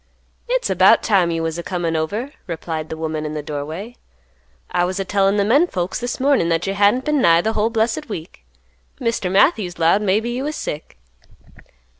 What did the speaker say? "It's about time you was a comin' over," replied the woman in the doorway; "I was a tellin' the menfolks this mornin' that you hadn't been nigh the whole blessed week. Mr. Matthews 'lowed maybe you was sick."